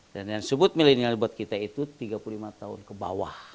dan yang disebut millennial buat kita itu tiga puluh lima tahun ke bawah